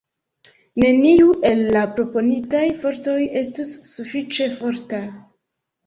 Neniu el la proponitaj fortoj estus sufiĉe forta.